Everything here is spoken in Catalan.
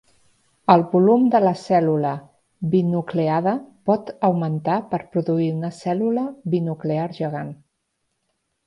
El volum de la cèl·lula binucleada pot augmentar per produir una cèl·lula binuclear gegant.